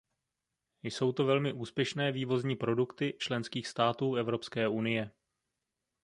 Jsou to velmi úspěšné vývozní produkty členských států Evropské unie.